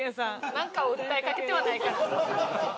なんかを訴えかけてはないかな。